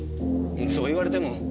そう言われても。